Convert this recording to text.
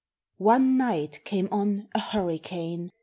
One night came on a hurricane.